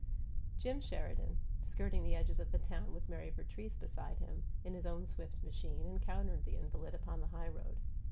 Jim Sheridan, skirting the edges of the town with Mary Vertrees beside him, in his own swift machine, encountered the invalid upon the highroad.